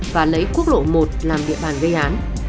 và lấy quốc lộ một làm địa bàn gây án